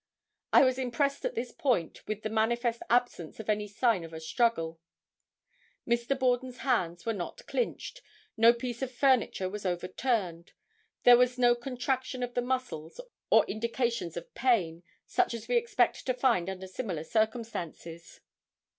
I was impressed at this point with the manifest absence of any sign of a struggle. Mr. Borden's hands were not clinched; no piece of furniture was overturned; there was no contraction of the muscles or indications of pain, such as we expect to find under similar circumstances.